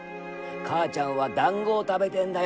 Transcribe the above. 「母ちゃんはだんごを食べてんだよ」。